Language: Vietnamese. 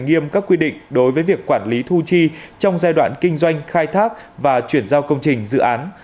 nghiêm các quy định đối với việc quản lý thu chi trong giai đoạn kinh doanh khai thác và chuyển giao công trình dự án